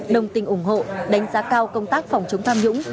đồng tình ủng hộ đánh giá cao công tác phòng chống tham nhũng